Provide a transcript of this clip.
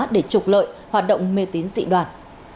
để trục lợi hoạt động mê tín dị đoàn